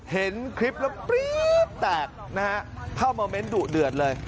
เห็นคลิปแล้วปลี๊บแตกนะข้าวมาเม้นต์ดูดืดเลย